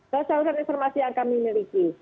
berdasarkan informasi yang kami miliki